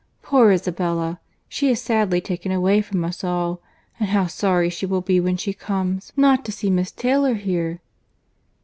—Poor Isabella!—she is sadly taken away from us all!—and how sorry she will be when she comes, not to see Miss Taylor here!"